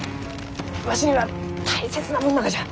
わしには大切なもんながじゃ。